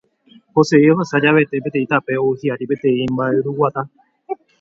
Jose'i ohasa javete peteĩ tape ou hi'ári peteĩ mba'yruguata.